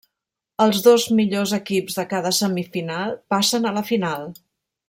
Els dos millors equips de cada semifinal passen a la final.